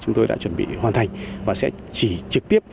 chúng tôi đã chuẩn bị hoàn thành và sẽ chỉ trực tiếp